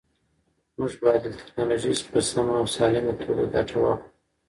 موږ باید له ټیکنالوژۍ څخه په سمه او سالمه توګه ګټه واخلو.